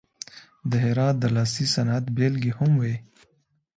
د هرات د لاسي صنعت بیلګې هم وې.